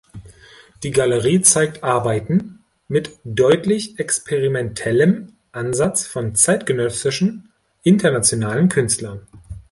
Die Galerie zeigt Arbeiten mit deutlich experimentellem Ansatz von zeitgenössischen, internationalen Künstlern.